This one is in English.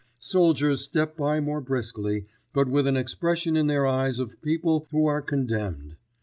Soldiers step by more briskly, but with an expression in their eyes of people who are condemned.